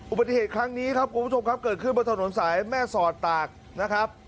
อุบัติเหตุครั้งนี้ครับคุณผู้ชมครับเกิดขึ้นบนถนนสายแม่สอดตากนะครับ